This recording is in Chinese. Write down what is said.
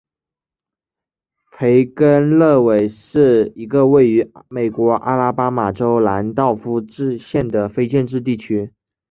培根勒韦是一个位于美国阿拉巴马州兰道夫县的非建制地区。